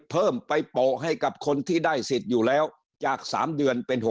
เพิ่มไปโปะให้กับคนที่ได้สิทธิ์อยู่แล้วจาก๓เดือนเป็น๖๐